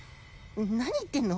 何言ってんの？